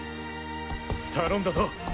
頼んだぞ。